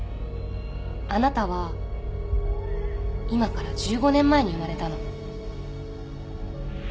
あなたは今から１５年前に生まれたの。